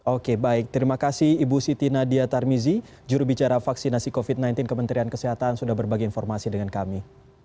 oke baik terima kasih ibu siti nadia tarmizi jurubicara vaksinasi covid sembilan belas kementerian kesehatan sudah berbagi informasi dengan kami